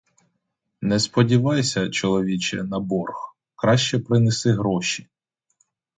Не сподівайся, чоловіче, на борг, краще принеси гроші.